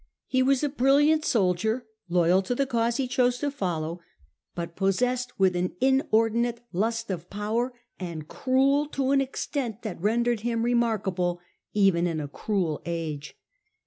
He was a brilliant soldier, loyal to the cause he chose to follow, but possessed with an inordinate lust of power, and cruel to an extent that rendered him remarkable even in a cruel age.